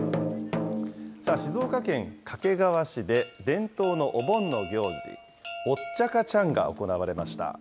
静岡県掛川市で、伝統のお盆の行事、オッチャカチャンが行われました。